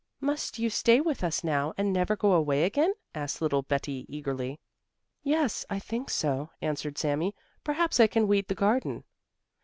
"Must you stay with us now, and never go away again?" asked little Betti eagerly. "Yes, I think so," answered Sami. "Perhaps I can weed the garden."